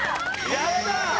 やったー！